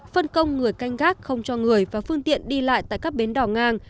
phân công người canh gác không cho người và phương tiện đi lại tại các bến đỏ ngang